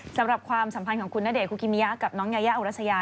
ความสัมพันธ์ของคุณณเดชคุกิมิยะกับน้องยายาอุรัสยา